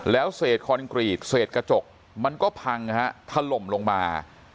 แล้วเศษคอนกรีตเศษกระจกมันก็พังถล่มลงมา